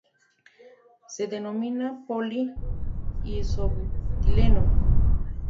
Se denomina Poli-isobutileno.